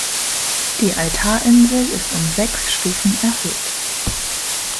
Die Altarinsel ist um sechs Stufen erhöht.